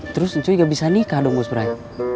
terus cucu gak bisa nikah dong bos brai